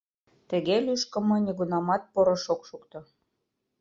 Тыге лӱшкымӧ нигунамат порыш ок шукто.